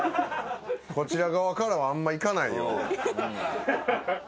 こちら側からはあんまいかないよ。